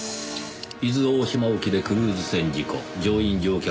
「伊豆大島沖でクルーズ船事故乗員乗客含め６人死亡」